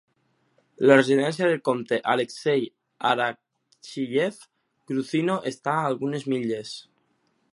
La residència del comte Alexey Arakcheyev, Gruzino, està a algunes milles.